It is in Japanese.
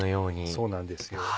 そうなんですよ。